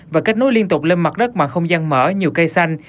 và kết nối liên tục lên mặt đất bằng không gian mở nhiều cây xanh